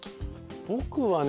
僕はね